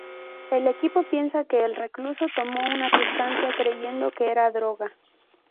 El equipo piensa que el recluso tomó una sustancia creyendo que era droga.